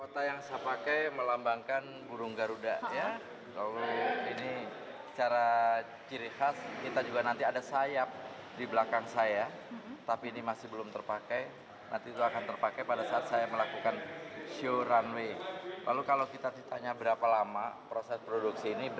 terima kasih bisa menonton